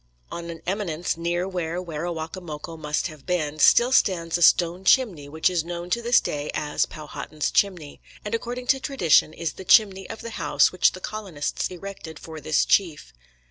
On an eminence near where Werowocomoco must have been, still stands a stone chimney which is known to this day as "Powhatan's Chimney," and according to tradition is the chimney of the house which the colonists erected for this chief.